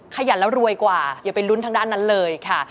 ขยันแล้วรวยกว่าอย่าไปลุ้นทางด้านนั้นเลยค่ะ